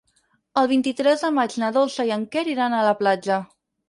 El vint-i-tres de maig na Dolça i en Quer iran a la platja.